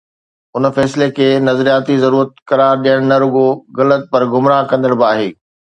ان فيصلي کي ”نظرياتي ضرورت“ قرار ڏيڻ نه رڳو غلط پر گمراهه ڪندڙ به آهي.